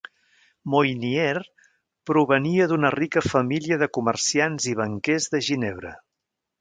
Moynier provenia d'una rica família de comerciants i banquers de Ginebra.